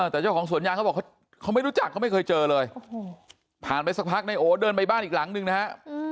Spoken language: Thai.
แต่เจ้าของสวนยางเขาบอกเขาไม่รู้จักเขาไม่เคยเจอเลยผ่านไปสักพักนายโอเดินไปบ้านอีกหลังนึงนะฮะ